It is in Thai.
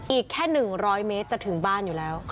อีกแค่๑๐๐เมตรจะถึงบ้านอยู่แล้ว